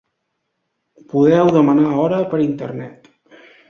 Podeu demanar hora per Internet.